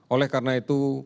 oleh karena itu